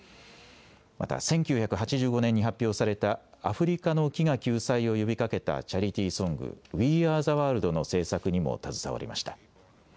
また１９８５年に発表されたアフリカの飢餓救済を呼びかけたチャリティーソング、ウィー・アー・ザ・ワールドの制作にも携わりました。